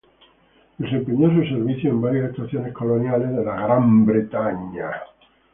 Desempeñó sus servicios en varias estaciones coloniales de Gran Bretaña.